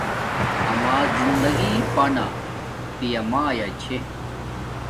آما زندگی پانا پیامایا چھے